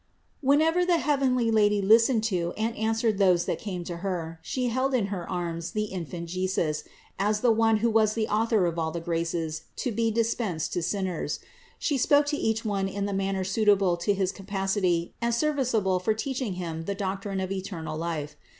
Whenever the heavenly Lady listened to and answered those that came to Her, She held in her arms the Infant Jesus, as the One who was the Author of all the graces to be dispensed to sinners. She spoke to each one in the manner suitable to his capacity and serviceable for teaching him the doctrine of eternal life.